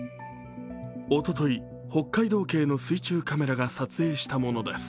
おととい、北海道警の水中カメラが撮影したものです。